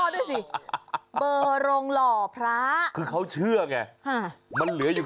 ดูเบอร์โทน